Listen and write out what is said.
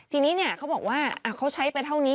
ทีนี้เขาบอกว่าเขาใช้ไปเท่านี้